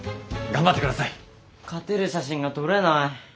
勝てる写真が撮れない。